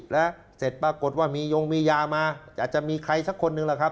แล้วเสร็จปรากฏว่ามียงมียามาอาจจะมีใครสักคนนึงล่ะครับ